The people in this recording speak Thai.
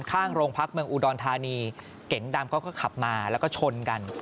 ข้างโรงพักเมืองอุดรธานีเก๋งดำเขาก็ขับมาแล้วก็ชนกัน